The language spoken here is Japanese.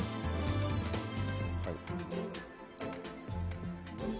はい。